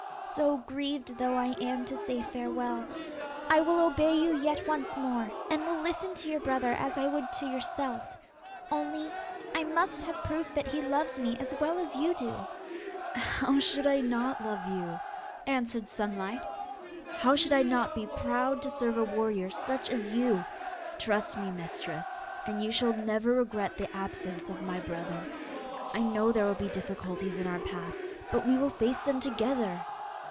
So grieved though I am to say farewell, I will obey you yet once more, and will listen to your brother as I would to yourself. Only, I must have a proof that he loves me as well as you do.' 'How should I not love you?' answered Sunlight; 'how should I not be proud to serve a warrior such as you? Trust me, mistress, and you shall never regret the absence of my brother. I know there will be difficulties in our path, but we will face them together.